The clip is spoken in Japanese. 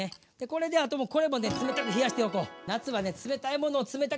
これであとはこれも冷たく冷やしておこう。